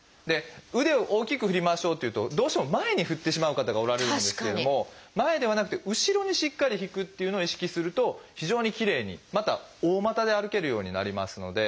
腕を大きく振りましょうと言うとどうしても前に振ってしまう方がおられるんですけれども前ではなくて後ろにしっかり引くっていうのを意識すると非常にきれいにまた大股で歩けるようになりますので。